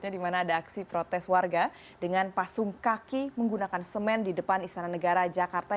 di mana ada aksi protes warga dengan pasung kaki menggunakan semen di depan istana negara jakarta